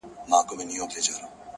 اسمان راڅخه اخلي امتحان څه به کوو؟!.